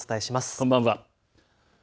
こんばんは。